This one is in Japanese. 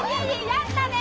やったで！